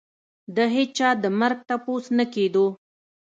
د هېچا د مرګ تپوس نه کېدو.